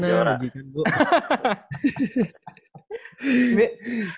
bisa diundang dimana mana